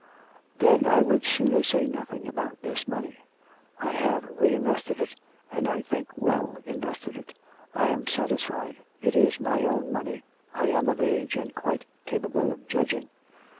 'Then I would sooner say nothing about this money.... I have re invested it, and I think well invested it. I am satisfied, it is my own money. I am of age and quite capable of judging.'